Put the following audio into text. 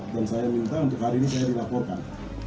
dan saya minta untuk hari ini saya dilaporkan